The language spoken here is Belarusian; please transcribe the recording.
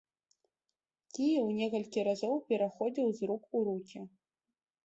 Кіеў некалькі разоў пераходзіў з рук у рукі.